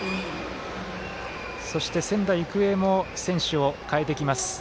そして、仙台育英も選手を代えてきます。